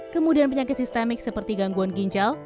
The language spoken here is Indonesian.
kemudian penyakit sistemik seperti gangguan ginjal